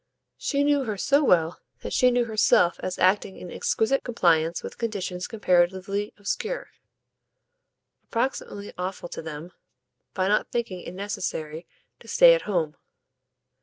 She knew her so well that she knew herself as acting in exquisite compliance with conditions comparatively obscure, approximately awful to them, by not thinking it necessary to stay at home.